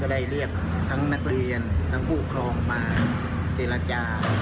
ได้เรียกทั้งนักเรียนทั้งผู้ครองมาเจรจา